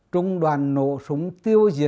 trung đoàn nổ súng tiêu diệt